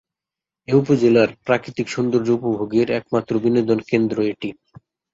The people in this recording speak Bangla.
এ উপজেলার প্রাকৃতিক সৌন্দর্য উপভোগের একমাত্র বিনোদন কেন্দ্র এটি।